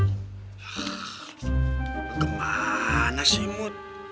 hah kemana sih mood